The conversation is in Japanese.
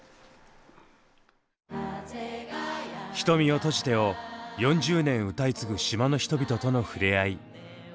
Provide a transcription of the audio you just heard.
「瞳を閉じて」を４０年歌い継ぐ島の人々とのふれあい。